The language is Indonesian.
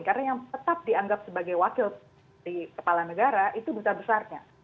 karena yang tetap dianggap sebagai wakil di kepala negara itu duta besarnya